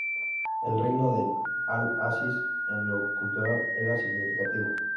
El reinado del Al-Aziz en lo cultural era significativo.